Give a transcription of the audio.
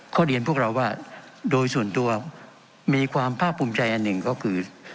เรียนพวกเราว่าโดยส่วนตัวมีความภาคภูมิใจอันหนึ่งก็คือ